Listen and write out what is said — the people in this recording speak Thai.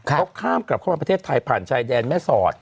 เขาข้ามกลับเข้ามาประเทศไทยผ่านชายแดนแม่สอด